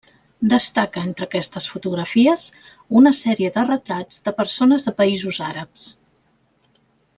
Destaca, entre aquestes fotografies, una sèrie de retrats de persones de països àrabs.